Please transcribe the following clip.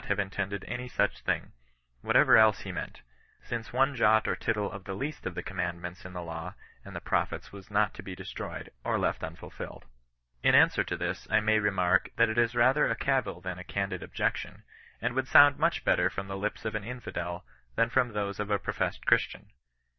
have intended any such thing, whatever else he meant .* since one jot or tittle of the leout of the commandments CHBISTIAN NON BESISTAKCB. 29 in the law and the prophets was not to be destroyed, or left unfulfilled. In answer to this, I may remark, that it is rather a cavil than a candid objection, and would sound much better from the lips of an infidel than from those of a professed Christian.